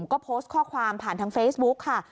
ก็โพสต์ข้อความผ่านทางเฟซบุ๊กค่ะ